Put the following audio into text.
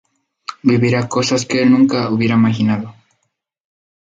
Vivirá cosas que el nunca hubiera imaginado.